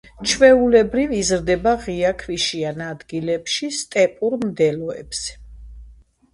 ჩვეულებრივ, იზრდება ღია ქვიშიან ადგილებში, სტეპურ მდელოებზე.